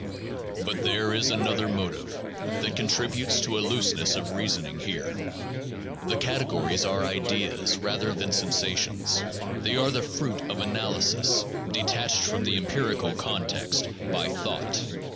But there is another motive that contributes to a looseness of reasoning here. The categories are ideas rather than sensations ; they are the fruit of analysis, detached from the empirical context by thought.